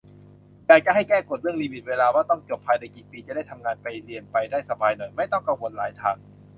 อยากให้แก้กฎเรื่องลิมิตเวลาว่าต้องจบภายในกี่ปี จะได้ทำงานไปเรียนไปได้สบายหน่อย ไม่ต้องกังวลหลายทาง